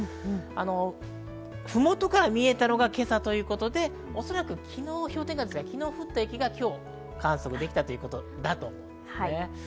麓から見えたのが今朝ということで、昨日氷点下、昨日降った雪が観測できたということだと思います。